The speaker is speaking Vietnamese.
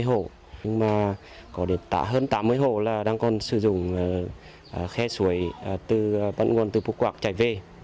nhưng mà có đến hơn tám mươi hộ đang còn sử dụng khe suối bận nguồn từ bốc quạc chạy về